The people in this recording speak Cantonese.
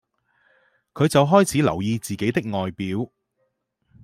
她就開始留意自己的外表